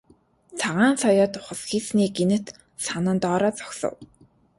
Цагаан соёот ухасхийснээ гэнэт санан доороо зогсов.